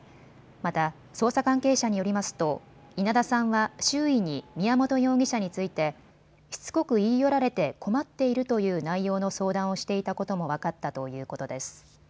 また、捜査関係者によりますと稲田さんは周囲に、宮本容疑者についてしつこく言い寄られて困っているという内容の相談をしていたことも分かったということです。